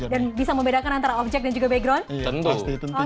dan bisa membedakan antara objek dan juga background